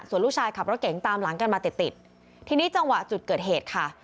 ส่วนลูกชายขับรถเก๋งตามหลังกันมาติดติดทีนี้จังหวะจุดเกิดเหตุค่ะ